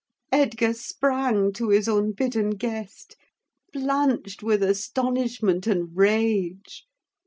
Edgar sprang to his unbidden guest, blanched with astonishment and rage.